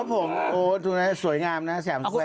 ครับผมโอ้โหสวยงามนะแสบสวย